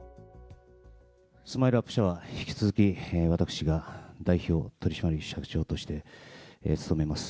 スマイルアップ社は引き続き、私が代表取締役社長として務めます。